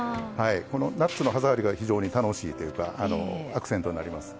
このナッツの歯触りが非常に楽しいというかアクセントになります。